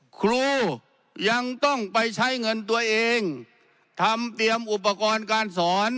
ครูยังต้องไปใช้เงินตัวเองทำเตรียมอุปกรณ์การสอน